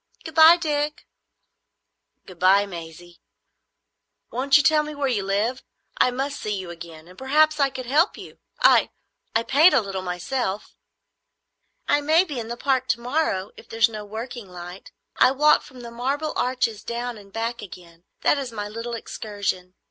Good bye, Dick." "Good bye, Maisie. Won't you tell me where you live? I must see you again; and perhaps I could help you. I—I paint a little myself." "I may be in the Park to morrow, if there is no working light. I walk from the Marble Arch down and back again; that is my little excursion.